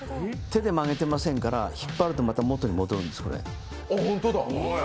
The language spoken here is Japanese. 手で曲げてませんから、引っ張るとまた元に戻るんですよ、これ。